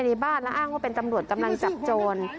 แล้วอ้างว่าเป็นตำรวจตำรงจับโจร